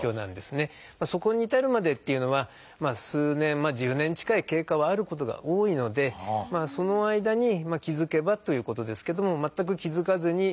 そこに至るまでっていうのは数年まあ１０年近い経過はあることが多いのでその間に気付けばということですけども全く気付かずにっていう方もいます。